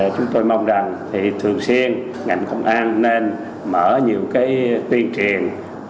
chúng tôi mong rằng thường xuyên ngành công an nên mở nhiều cái tuyên truyền